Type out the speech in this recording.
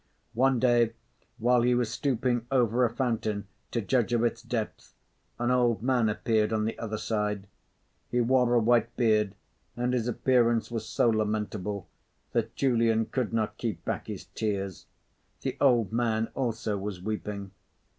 One day, while he was stooping over a fountain to judge of its depth, an old man appeared on the other side. He wore a white beard and his appearance was so lamentable that Julian could not keep back his tears. The old man also was weeping.